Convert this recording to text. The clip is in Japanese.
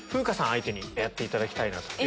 相手にやっていただきたいなと。